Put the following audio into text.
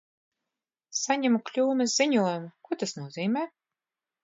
Saņemu kļūmes ziņojumu. Ko tas nozīmē?